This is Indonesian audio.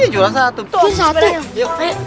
juara satu naik sepeda